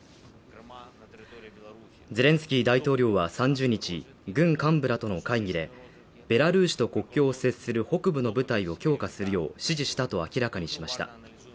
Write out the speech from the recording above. ゼレンスキー大統領は３０日軍幹部らとの会議で、ベラルーシと国境を接する北部の部隊を強化するよう指示したと明らかにしました。